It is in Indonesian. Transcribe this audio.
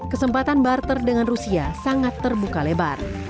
kesempatan barter dengan rusia sangat terbuka lebar